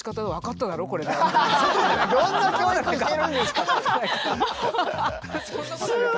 どんな教育してるんですか！